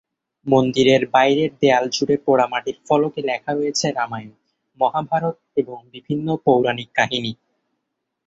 মন্দিরের বাইরের দেয়াল জুড়ে পোড়ামাটির ফলকে লেখা রয়েছে রামায়ণ, মহাভারত এবং বিভিন্ন পৌরাণিক কাহিনী।